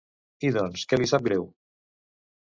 I doncs, què li sap greu?